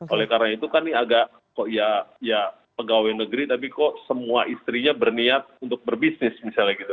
oleh karena itu kan ini agak kok ya pegawai negeri tapi kok semua istrinya berniat untuk berbisnis misalnya gitu